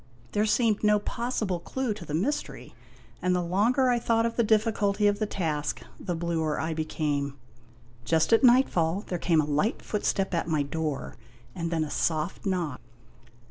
There seemed no pos sible clue to the mystery, and the longer I thought of the difficulty of the task, the bluer I became. Just at nightfall there came a light footstep at my door and then a soft knock.